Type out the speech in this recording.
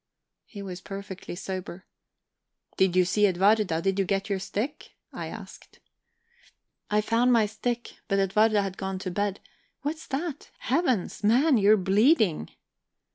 He was perfectly sober. "Did you see Edwarda? Did you get your stick?" I asked. "I found my stick. But Edwarda had gone to bed... What's that? Heavens, man, you're bleeding!"